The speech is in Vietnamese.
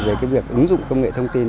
về cái việc ứng dụng công nghệ thông tin